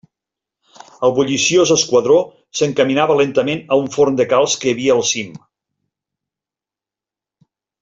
El bulliciós esquadró s'encaminava lentament a un forn de calç que hi havia al cim.